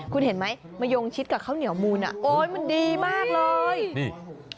คุณเห็นไหมมะยงชิดกับข้าวเหนียวมูลอ่ะโอ๊ยมันดีมากเลยนี่